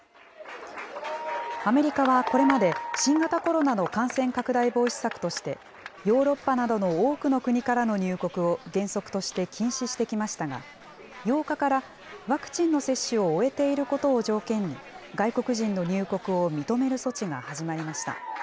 アメリカはこれまで、新型コロナの感染拡大防止策として、ヨーロッパなどの多くの国からの入国を原則として禁止してきましたが、８日からワクチンの接種を終えていることを条件に、外国人の入国を認める措置が始まりました。